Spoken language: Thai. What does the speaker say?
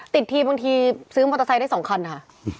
ทีบางทีซื้อมอเตอร์ไซค์ได้๒คันค่ะ